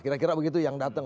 kira kira begitu yang datang